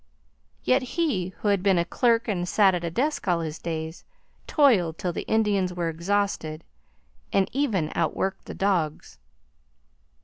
Yet he, who had been a clerk and sat at a desk all his days, toiled till the Indians were exhausted, and even out worked the dogs.